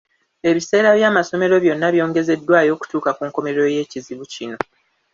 Ebiseera by'amasomero byonna byongezeddwayo okutuuka ku nkomerero y'ekizibu kino.